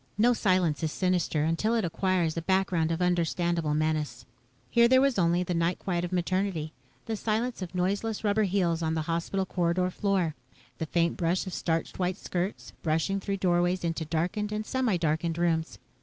No silence is sinister until it acquires a background of understandable menace. Here there was only the night quiet of Maternity, the silence of noiseless rubber heels on the hospital corridor floor, the faint brush of starched white skirts brushing through doorways into darkened and semi darkened rooms.